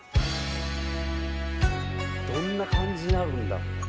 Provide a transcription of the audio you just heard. どんな感じになるんだ。